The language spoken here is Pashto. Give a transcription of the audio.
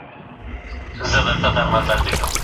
زده کوونکي باید د خپل علم سوسوال ته ځان نږدې کړي.